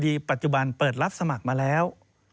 ปัจจุบันเปิดรับสมัครมาแล้ว